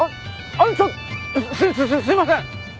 すすいません！